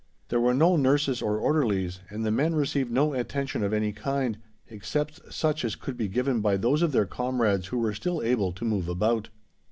There were no nurses or orderlies, and the men received no attention of any kind, except such as could be given by those of their comrades who were still able to move about.